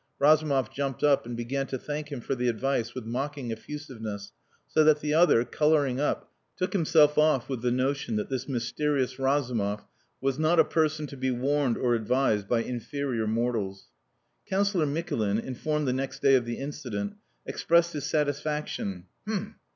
Razumov jumped up and began to thank him for the advice with mocking effusiveness, so that the other, colouring up, took himself off with the notion that this mysterious Razumov was not a person to be warned or advised by inferior mortals. Councillor Mikulin, informed the next day of the incident, expressed his satisfaction. "H'm!